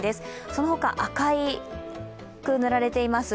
そのほか赤く塗られています